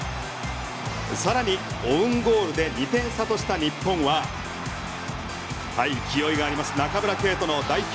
更に、オウンゴールで２点差とした日本は勢いがあります中村敬斗の代表